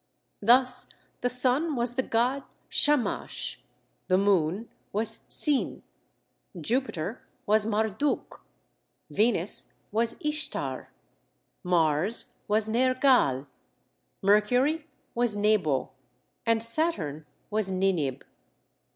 Thus, the sun was the god Shamash, the moon was Sin, Jupiter was Marduk, Venus was Ishtar, Mars was Nergal, Mercury was Nebo, and Saturn was Ninib.